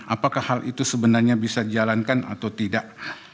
apakah hal itu sebenarnya bisa dijalankan atau tidak